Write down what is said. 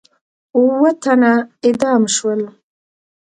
اووه تنه اعدام شول.